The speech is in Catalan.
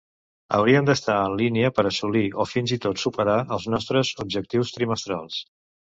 Hauríem d'estar en línia per assolir o fins i tot superar els nostres objectius trimestrals.